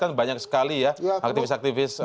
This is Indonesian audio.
kan banyak sekali ya aktivis aktivis